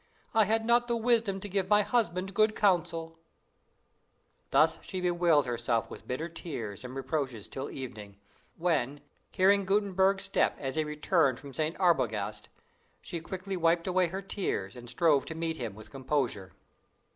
I had not the wisdom to give my husband good counsel!" Thus she bewailed herself with bitter tears and reproaches till evening, when, hearing Gutenberg's step as he returned from St. Arbogast, she quickly wiped away her tears, and strove to meet him with composure.